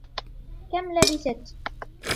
كَم لبثت؟